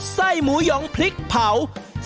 ไส้หมูหยองพริกเผา